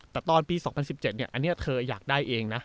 แต่ตอนปี๒๐๑๗อันนี้เธออยากได้เองนะ